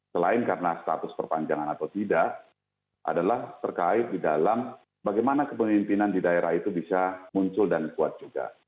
selain karena status perpanjangan atau tidak adalah terkait di dalam bagaimana kepemimpinan di daerah itu bisa muncul dan kuat juga